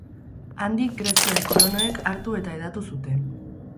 Handik greziar kolonoek hartu eta hedatu zuten.